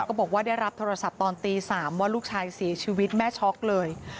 บอกว่าได้รับโทรศัพท์ตอนตี๓ว่าลูกชายเสียชีวิตแม่ช็อกเลย